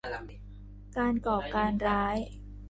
การก่อการร้าย